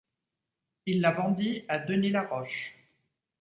Il la vendit à Denys Laroche.